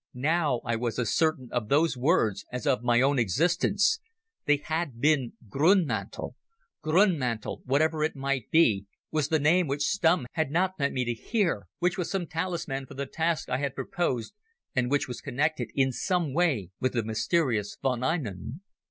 Now I was as certain of those words as of my own existence. They had been "Grune Mantel". Grune Mantel, whatever it might be, was the name which Stumm had not meant me to hear, which was some talisman for the task I had proposed, and which was connected in some way with the mysterious von Einem.